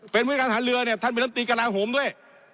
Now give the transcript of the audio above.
เป็นวิการหาเรือเนี่ยท่านไปเริ่มตีกระลาฮมด้วย